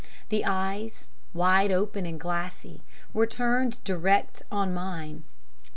The eyes, wide open and glassy, were turned direct on mine.